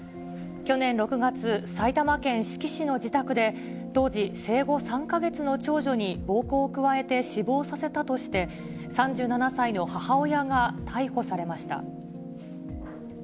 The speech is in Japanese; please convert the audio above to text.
去年６月、埼玉県志木市の自宅で、当時生後３か月の長女に暴行を加えて死亡させたとして、３７歳の母親が逮捕されました。